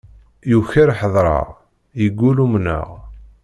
Yuker ḥeḍreɣ, yeggul umneɣ.